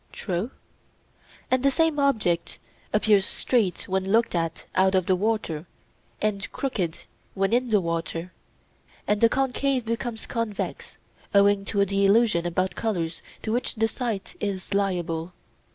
True. And the same object appears straight when looked at out of the water, and crooked when in the water; and the concave becomes convex, owing to the illusion about colours to which the sight is liable.